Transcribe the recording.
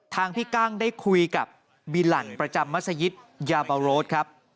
ทางพี่กั้งได้คุยกับบีหลั่นประจำมัศยิตยาบาโรดครับ